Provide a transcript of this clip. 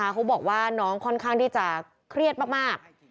เขาบอกว่าน้องค่อนข้างที่จะเครียดมาก